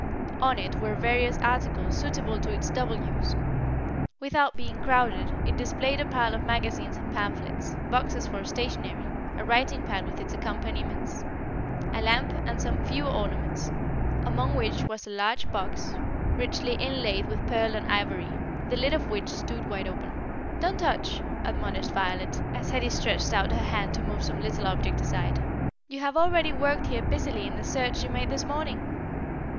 On it were various articles suitable to its double use. Without being crowded, it displayed a pile of magazines and pamphlets, boxes for stationery, a writing pad with its accompaniments, a lamp, and some few ornaments, among which was a large box, richly inlaid with pearl and ivory, the lid of which stood wide open. "Don't touch," admonished Violet, as Hetty stretched out her hand to move some little object aside. "You have already worked here busily in the search you made this morning."